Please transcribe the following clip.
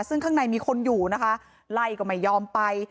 ซึ่งข้างในมีคนอยู่นะคะไล่ก็ไม่ยอมไป